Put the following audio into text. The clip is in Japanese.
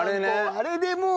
あれでもう。